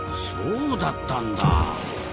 そうだったんだ。